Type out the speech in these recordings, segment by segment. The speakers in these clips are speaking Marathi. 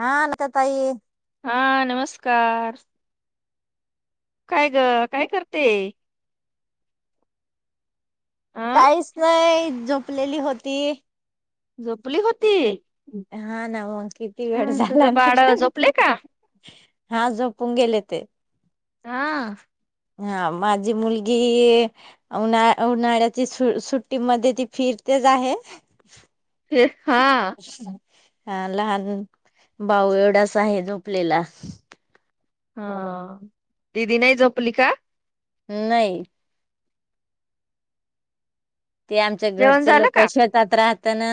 हा नका ताई. हा नमस्कार. काय ग काय करते. अ काहीच नाही झोपलेली होते. ती झोपली होती. हा ना मग किती वेळ हं, तुझं झाला बाळ ना. झोपले का हा झोपुन गेलेे ते. हा हा माझी मुलगी. उन्हाळ उन्हाळ्याची सुट्टीमध्येध्ये ती फिरतेच आहे. हे- हा हा लहान भाऊ एवढाच आहे झोपलेला. हा दिदी नाही झोपली का? नाही. ते आमच्या जेवण घरचे झालं लोक का शेतात राहत ना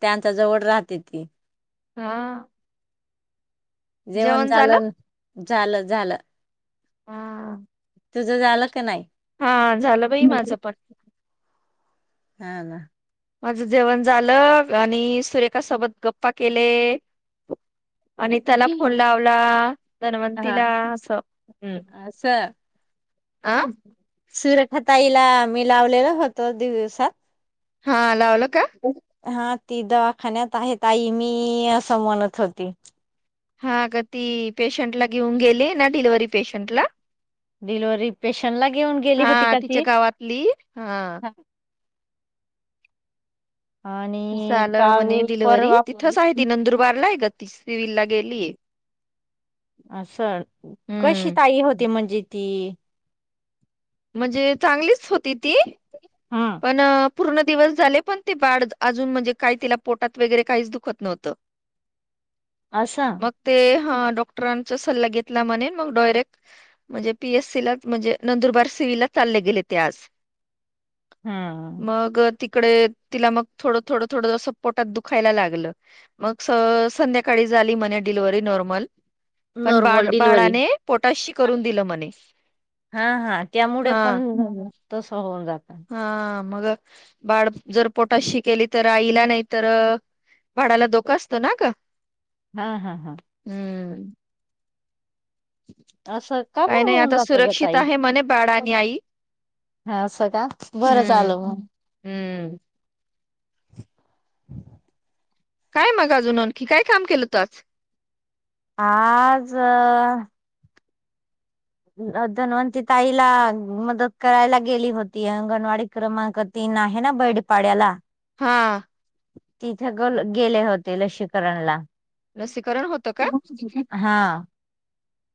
त्यांच्या जवळ राहते ती. हा. जेवण झालं झालं झालं. हा. तुझं आलं की नाही. हा झालं बाई माझं पण. हाला. माझं जेवण झालं आणि सुरेखा सोबत गप्पा केले. अनिता फोन लावला. हा धन्वंतीला असं हम् असं अ. सुरेखाताईला मी लावलेल होतो दी दिवसात. हा लावला का. हा ती दवाखान्यात आहेत आई मी असं म्हणत होती. हा अग ती पेशंट ला घेऊन गेली ना डिलिव्हरी पेशंट ला. डिलिव्हरी पेशंटला घेऊन गेली होती हा का तिच्या ती गावातली हा. आणि झालं म्हणे काल डिलव्हरी परवा तिथच आहे ती नंदुरबारला आहे ग ती सिविल ला गेलीय. असल कशी हम्म ताई होती म्हणजे ती म्हणजे चांगलीच होती ती. हम्म पण पूर्ण दिवस झाले पण ते बाळ अजुन म्हणजे काही तिला पोटात वगैरे काहीच दुखत नव्हतं. अन ऎंटिलेजेबल अस. ते डॉक्टरांचा सल्ला घेतला म्हणे मग डायरेक्ट म्हणजे पी एस सी ला म्हणजे नंदुरबार सिव्हल ला चालले गेले ते आज. हा. मग तिकडे तिला मग थोडं थोडं थोडं जसं पोटात दुखायला लागलं. मग स संध्याकाळी झाली म्हणे डिलिव्हरी नॉर्मल. पण नॉर्मल बाळ डिलिव्हरी बाळाने पोटात शी करून दिलं म्हणे. हा हा त्यामुळे हा पण तस होऊन जातात. हा मग बाळ जर पोटात शी केली तर आईला नाही तर बाळाला धोकां असतो ना ग. हा हा हा. हम्म. असं का काय बर नाही होऊन आता जात ग सुरक्षित ताई. आहे म्हणे बाळ आणि आई हा असं का बरं हम्म झालं म. हम्म. काय मग अजून आणखी काय काम केलं होत आज. आज. धनवंती ताईला मदत करायला गेली होती अंगणवाडी. क्रमांक तीन आहे ना बैडपाड्याला. हा. तिथे गेले होते लसीकरण ला. लसीकरण होतं का हा.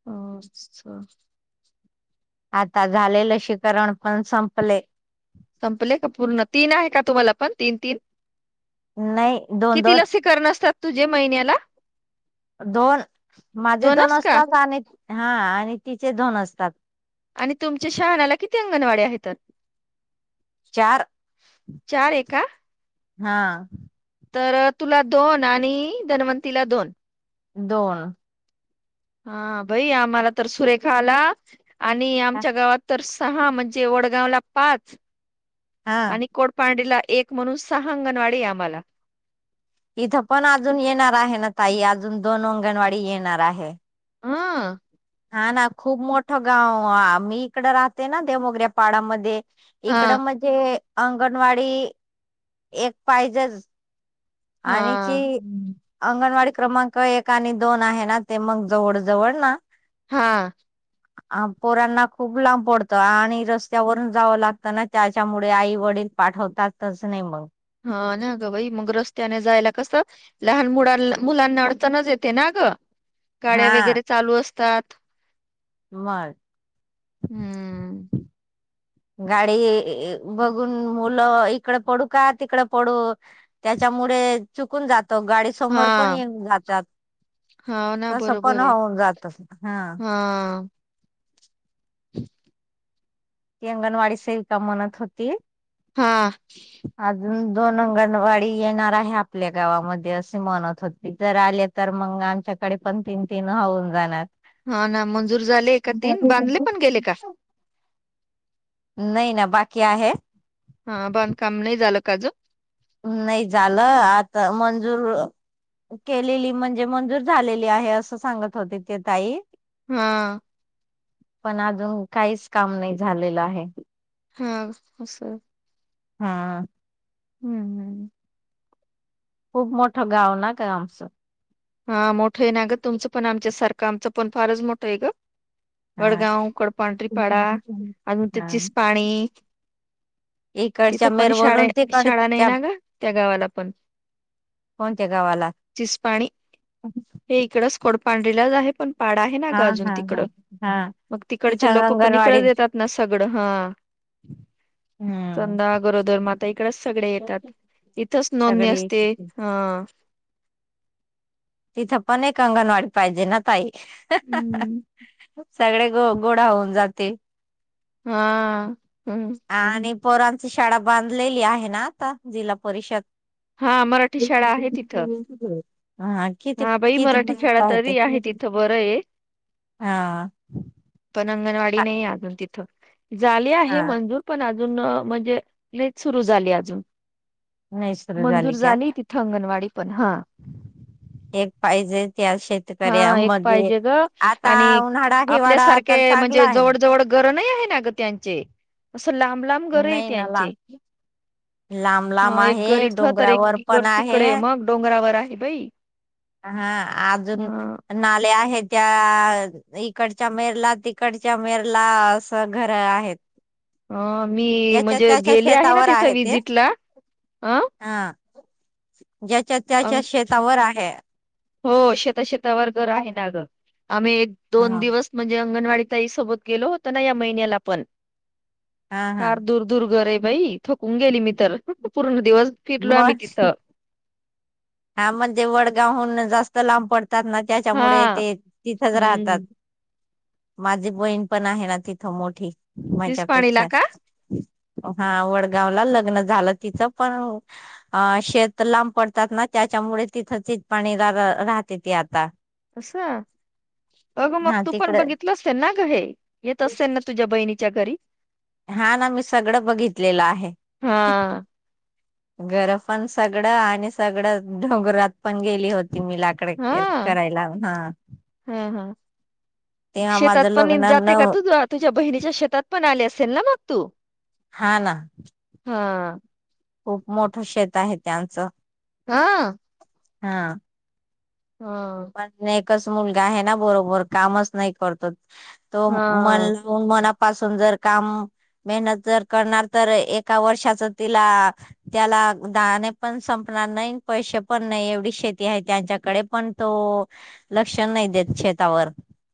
हो अच्छा. आता झाले लसीकरण पण संपले. संपले का पूर्ण तीन आहे का तुम्हाला पण तीन तीन. नाही दोन दोन. कर असतात तुझे महिन्याला. दोन माझे दोन दोनच का असतात आणि हा आणि तिचे दोन असतात. आणि तुमच्या शहाणाला किती अंगणवाडी आहे ता त. चार चार आहे का हा. तर तुला दोन आणि धनवंतीला दोन. दोन. हा भाई आम्हाला तर सुरेखा आला आणि आमच्या गावात तर. सहा म्हणजे वडगाव ला पाच. हा. आणि कोडपांडीला एक म्हणून सहा अंगणवाडी आम्हाला. इथं पण अजून येणार आहे ना ताई अजून दोन अंगणवाडी येणार आहे. हाम. हा ना खूप मोठं गाव आ मी इकड राहते ना देमोगऱ्यापाडामध्ये. हा इकडं म्हणजे अंगणवाडी एक पाहिजे. आणखी. हा अंगणवाडी क्रमांक एक आणि दोन आहे ना ते मग जवळ जवळ ना. हा. पोरांना खूप लांब पडतं आणि रस्त्यावरून जावं लागतं ना त्याच्यामुळे आई वडील. पाठवतात तस नाही मग. हा ना गं बाई मग रस्त्याने जायला कस. लहान मुला मुलांना अडचणच येते ना ग. गाड्या हा वगैरे चालू असतात. मग. हम्म गाडी ए ए बघून मुलं इकड पडू का तिकडं पडू. त्याच्यामुळे चुकून जातो गाडी समोर पण हा येऊन जातात. हा ना तस पण बरोबर आहे होऊन जात हा. हा [inaudible] ती अंगणवाडी सेविका म्हणत होती. हा. अजून दोन अंगणवाडी येणार आहे आपल्या गावामध्ये असे म्हणत होते जर आल्या. तर मग आमच्याकडे पण तीन तीन होऊन जाणार. हा ना मंजूर झाले ए तीन बांधले पण गेले का. नाही ना बाकी आहे. हा बंदकाम नाही झालं काजू. नाही झालं आता मंजूर. केलेली म्हणजे मंजूर झालेली आहे असं सांगत होते ते ताई हा पण अजून काहीच काम नाही झालेलं आहे हा अस हा हम्म हम् खूप मोठं गाव ना का आमचं हा मोठं आहे ना ग तुमचं पण आमच्या सारखं आमचं पण फारच मोठं आहे ग हा वडगाव कडपांढरीपाडा अजून हा त्याचीच पाणी इकडच्या तिथं पण शाळे मेरवरून शाळा नाही तिकडच्या ना ग त्या गावाला पण कोणते कावाला चिस पाणी हे इकडच कोड पांढरीलाच आहे पण पाड आहे ना ग हा अजून हा हा तिकडं हा मग तिकडचे तिथं लोक पण अंगणवाडी इकडत येतात ना सगळं हा हम्म चंदा गरोदर माता इकडेच सगळे येतात इथच नोंदणी सगळी असते ह तिथं पण एक अंगणवाडी पाहिजे ना ताई हम्म सगळे ग गोड होऊन जाते हा हम्म आणि पोरांची शाळा बांधलेली आहे ना आता जिल्हा परिषद हा मराठी शाळा आहे तिथं हा किती हा बाई किती मराठी शाळा पाता होते तरी आहे तिथं बरं आहे हा पण अंगणवाडी नाही अजून तिथं झाले आहे हा मंजू पण अजून म्हणजेच सुरू झाली अजून नाही सुरू मंजूर का झाली त अंगणवाडी पण हा एक पाहिजे त्या शेती हा एक पाहिजे ग आणि उन्हाळा हिवाळा आपल्यासारखे तर चांगला म्हणजे आहे जवळ जवळ घर नाही आहे ना ग त्यांचे अस लांब लांब घर आहे नाही ना ला त्यांचे लांब लांब हा एक आहे घरीच तर एक डोंगरावर पण आहे तिकडे मग डोंगरावर आहे बाई हा अजून ह नाले आहेत त्या इकडच्या मेर ला तिकडच्या मेर ला असं घर आहेत ह मी ज्याच्या म्हणजे त्याच्या गेली आहे ना शेतावर तिथे ते विजिटला अ हा ज्याच्या अ त्याच्या शेतावर आहे हो शेत शेतावर घर हा आहे ना ग आम्ही एक दोन दिवस म्हणजे अंगणवाडी तई सोबत गेलो होत ना या महिन्याला आपण हा हा फार दुर् दुर्गर आहे बाई थोकून गेली मी तर पूर्ण दिवस फिरलो आम्ही मग तिथं हा म्हणजे वडगावहून जास्त लांब पडतात ना त्याच्यामुळे हा ते तिथंच राहतात हम्म माझी बहीण पण आहे ना तिथं मोठी तीच पाणीला माझ्यापेक्षा का हा वडगावला लग्न झालं तिचं पण अ शेत लांब पडतात ना त्याच्यामुळे तिथं त पाणी राहते ती आता अस अगं मग हा तू पण तिकडे बघित असेल ना ग हे येत असेल ना तुझ्या बहिणीच्या घरी हा ना मी सगळं बघितलेलं आहे हा घर पण सगळं आणि सगळं डोंगरात पण गेली होती मी लाग डे हा करायला ह हा हा शेतात माझं पण लग्न जाते न का तू तुझ्या बहिणीच्या शेतात पण आले असेल ना मग तू हा ना हा खूप मोठ शेत आहे त्यांचं हा हा हा एकच मुलगा आहे ना बरोबर कामच नाही करतो तो मन हा ला मना पासून जर काम मेहनत जर करणार तर एका वर्षाच तिला त्याला दाणे पण संपणार नाही पैसे पण नाही एवढी शेती आहे त्यांच्याकडे पण तो लक्ष नाही देत शेतावर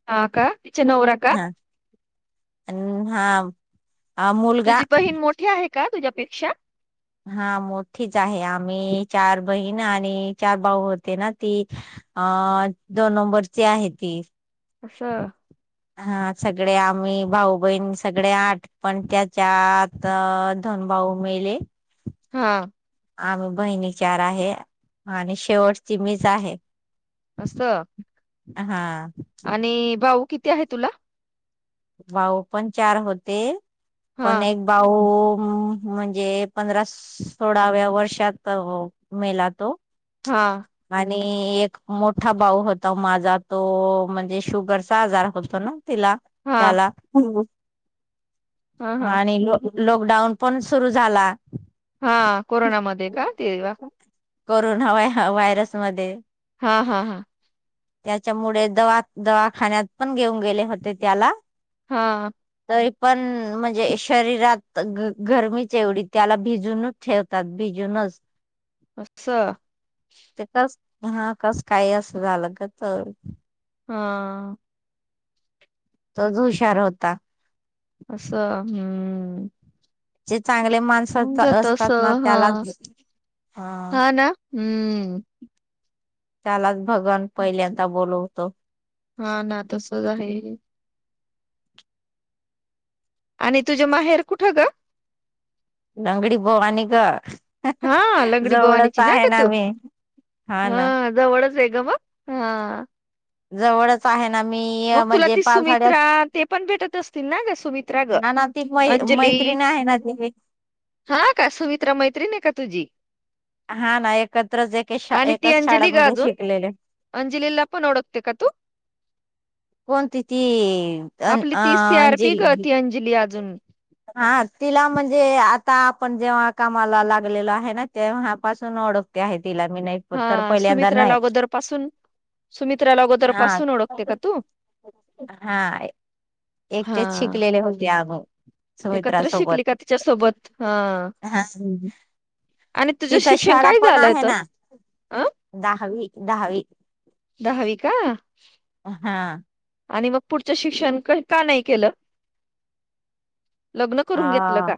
हा का तिच्या नवरा का? हा आणि हा हा मुलगा तुझी बहीण मोठी आहे का तुझ्यापेक्षा हा मोठीच आहे आम्ही चार बहीण आणि चार भाऊ होते ना ती अ दोन नंबरची आहे ती अस. हा सगळे आम्ही भाऊ बहिण सगळे आठ पण त्याच्यात धनु भाऊ मेले. हा आम्ही बहिणी चार आहे आणि शेवटची मीच आहे. अस हा आणि भाऊ किती आहे तुला? भाऊ पण चार होते हा पण एक भाऊ म्हणजे पंधरा सोळाव्या वर्षात मेला तो हा आणि एक मोठा भाऊ होता माझा तो म्हणजे शुगरचा आजार होतो ना तिला हा त्याला हा हा आणि ल लॉकडाऊन पण सुरु झाला. हा कोरोनामध्येध्ये का तेव्हा कोरोना व्हायरस मध्ये हा हा हा त्याच्यामुळे दवा दवाखान्यात पण घेऊन गेले होते त्याला हा तरी पण म्हणजे शरीरात गरमीच एवढी त्याला भिजून ठेवतात बिजूनच अस ते कस हा कसकाय असं झालं का तर हा तोच हुशार होता. अस हम्म. जे चांगले माणस होऊन जात असतात ना असं हा त्यालाच ह हा ना हम्म त्यालाच भगवान पहिल्यांदा बोलवतो. हा ना तसच आहे. आणि तुझ्या माहेर कुठं ग. नागडी भोवानी गं हा लंगडी बोवानीची ना ग तू मी हा जवळच आहे ग मग हा जवळच आहे ना मी मग तुला म्हणजे ती पावसाळ्यात सुमित्रा ते पण भेटत असतील ना ग सुमित्रा ग? ना ना ती मै अंजली मैत्रिणी आहे ना ते हा का सुमित्रा मैत्री नाही का तुझी? हा ना एकत्रच एक एकच शाळामध्ये शिकलेले. अंजिलीलप नोडकतेे का तू कोणती ती अं आपली ती सी अं, आर पी अंजली गती अंजली अजून हा तिला म्हणजे आता आपण जेव्हा कामाला लागलेलो आहे ना तेव्हापासून ओळखतो. आहे तिला मी नाही. प- तर हा पहिल्यांदा सुमित्राला नाही अगोदर पासून सुमित्राला अगोदर हा पासून ओळखते का तू हा हा एकटे कलेले होते आगू. एकत्र सुमित्रासोबत शिकली का तिच्यासोबत हा ह. आणि तुझं तिथं शिक्षण शाळा काय पण झालंय आहे तर ना अं? दहावी दहावी. दहावी का हा आणि मग पुढचं शिक्षण का नाही केलं. लग्न करून घेतलं हा का?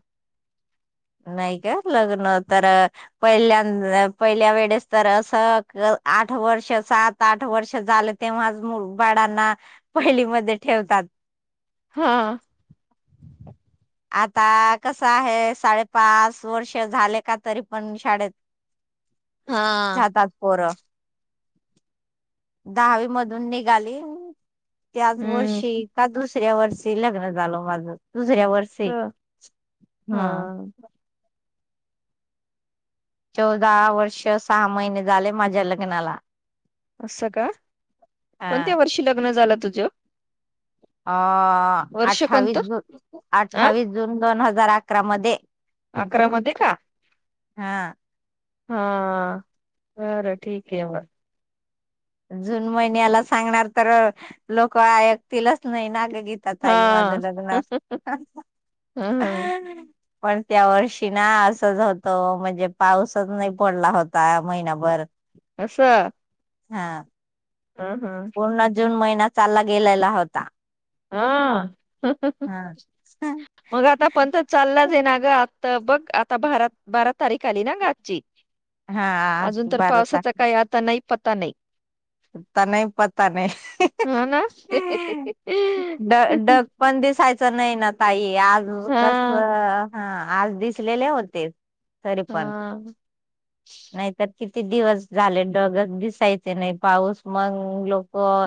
नाही का लग्न तर पहिल्यांद, पहिल्या वेळेस तर असं आठ वर्ष सात. आठ वर्ष झालं तेव्हा बाळांना पहिलीमध्ये ठेवतात. हां. आता कसं आहे साडे. पाच वर्ष झाले का तरी पण शाळेत. हा जातात पोरं. दहावी मधून निघाली. त्याच हम्म वर्षी, का दुसऱ्या वर्षी लग्न झाल माझ, दुसऱ्या वर्षी ह हा. हम्म चौदा वर्ष, सहा महिने झाले माझ्या लग्नाला. असं का? हा कोणत्या वर्षी लग्न झालं तुझं? अ वर्ष कोणतं अठ्ठावीस, अ अठ्ठावीस जून दोन हजार अकरा मध्ये अकरा मधे का? हा हा, बर ठीक आहे बर. जून महिन्याला सांगणार तर, लोकं ऐकतीलच नाही ना ग, गी. त्या हा ताई माझं ह लग्णार. ह पण त्या वर्षी ना असंच होतं म्हणजे पाऊसच नाही पडला होता महिना्याभर अससां. हा. हा हा. जून महिना चालला गेलेला होता. हा, हा मग आता पद्धत चाललाच आहे ना ग, आता बघ आता भारत, भारत तारीख आली ना गाजची, हा अजून तर बारा पावसाचा काही आता नाही, पता नाही. आता नाही, पता नाही. ह ना ड डग पण दिसायचं नाही ना ताई आज कस? हा हा, आज दिसलेले होते. तरी पण हा. नाहीतर किती दिवस झाले, डगच दिसायचे नाही, पाऊस मग लोकं.